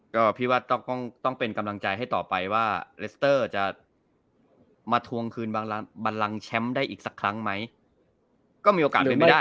ก็พี่ว่าต้องต้องเป็นกำลังใจให้ต่อไปว่าเลสเตอร์จะมาทวงคืนบันลังแชมป์ได้อีกสักครั้งไหมก็มีโอกาสเป็นไม่ได้